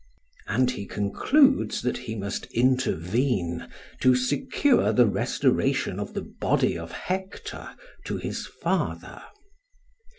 ] And he concludes that he must intervene to secure the restoration of the body of Hector to his father.